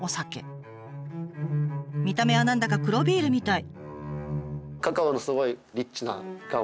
見た目は何だか黒ビールみたい。